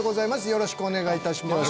よろしくお願いします